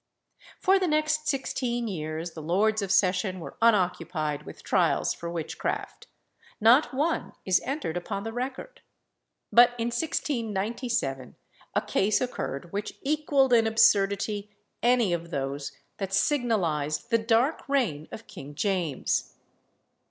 For the next sixteen years the Lords of Session were unoccupied with trials for witchcraft. Not one is entered upon the record. But in 1697 a case occurred which equalled in absurdity any of those that signalised the dark reign of King James.